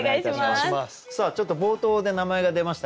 さあちょっと冒頭で名前が出ました